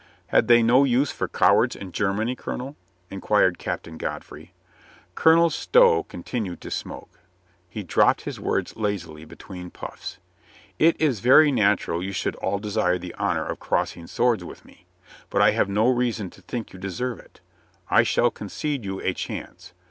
"Had they no use for cowards in Germany, Colo nel?" inquired Captain Godfrey. Colonel Stow continued to smoke. He dropped his words lazily between puffs. "It is very natural you should all desire the honor of crossing swords with me. But I have no reason to think you deserve it. I shall concede you a chance.